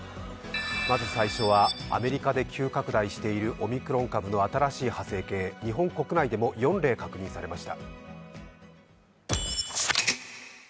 まず最初は、アメリカで急拡大しているオミクロン株の新しい派生型、日本国内でも４例確認されました。